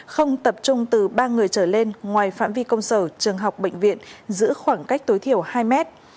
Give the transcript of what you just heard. không tập trung từ ba người trở lên ngoài phạm vi công sở trường học bệnh viện giữ khoảng cách tối thiểu hai mét